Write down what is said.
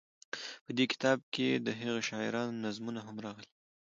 په دې کتاب کې دهغه شاعرانو نظمونه هم راغلي.